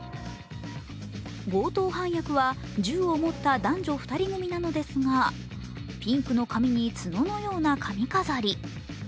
強盗犯役は銃を持った男女２人組なんですがピンクの髪に角のような髪飾り。